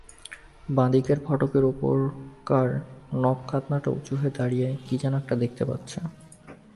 বাঁ দিকের ফটকের উপরকার নবতখানাটা উঁচু হয়ে দাঁড়িয়ে কী-যেন একটা দেখতে পাচ্ছে।